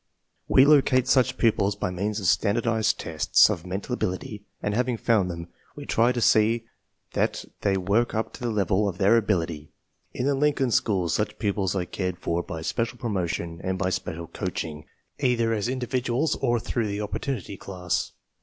We locate such pupils by means of standard ized tests of mental ability, and having found them we try to see that they work up to the level of their abil ity. In the Lincoln School such pupils are cared for by special promotion and by special coaching either as individuals or through the opportunity class.